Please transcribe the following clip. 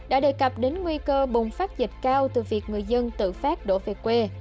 đã đề cập đến nguy cơ bùng phát dịch cao từ việc người dân tự phát đổ về quê